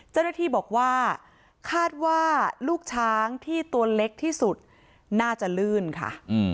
เจ้าหน้าที่บอกว่าคาดว่าลูกช้างที่ตัวเล็กที่สุดน่าจะลื่นค่ะ